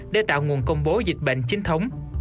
để tạo nguồn công bố dịch bệnh chính thống